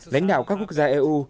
lãnh đạo các quốc gia eu